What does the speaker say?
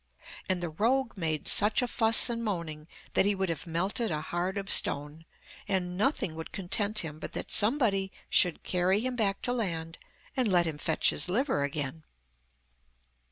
And the rogue made such a fuss and moaning that he would have melted a heart of stone, and nothing would content him but that somebody should carry him back to land and let him fetch his liver again.